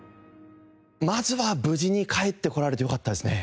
まずは無事に帰ってこられてよかったですね。